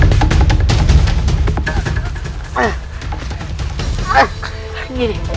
lihatlah apa yang aku buat